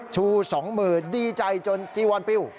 ชู๒มือดีใจจนจีวอนปิ้ว